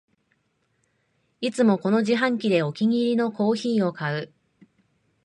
いつもこの自販機でお気に入りのコーヒーを買う